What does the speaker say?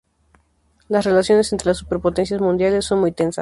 Las relaciones entre las superpotencias mundiales son muy tensas.